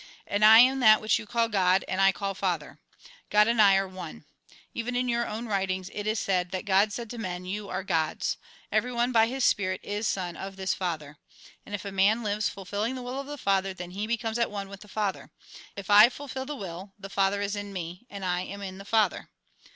And I am that which you call God, and I call Father. God and I are one. Even in your own writings it is said, that God said to men, ' You are Gods.' Everyone, by his spirit, is son of this Father. And if a man lives fulfilling the will of the Father, then he becomes at one with the Father. If I fulfil the will, the Father is in me, and I am in the Father."